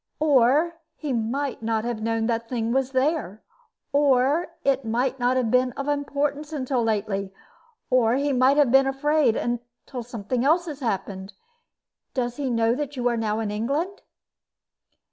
Or he might not have known that the thing was there; or it might not have been of importance till lately; or he might have been afraid, until something else happened. Does he know that you are now in England?"